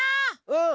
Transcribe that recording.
うん！